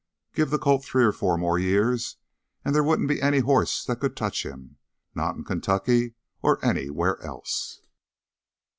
Give that colt three or four more years and there wouldn't be any horse that could touch him. Not in Kentucky, or anywhere else!